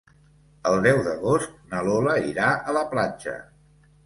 El deu d'agost na Lola irà a la platja.